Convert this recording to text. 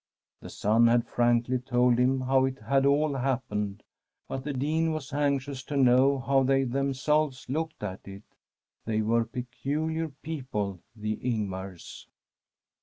The son had frankly told him how it had all happened, but the Dean was anxious to know how they themselves looked at it. They were peculiar peo ple, the Ingmars.